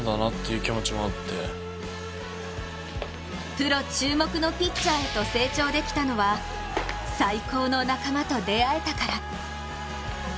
プロ注目のピッチャーへと成長できたのは、最高の仲間と出会えたから。